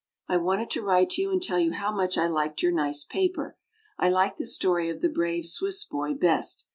I wanted to write to you, and tell you how much I liked your nice paper. I like the story of "The Brave Swiss Boy" best.